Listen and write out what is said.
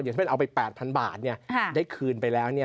ที่เป็นเอาไป๘๐๐๐บาทได้คืนไปแล้ว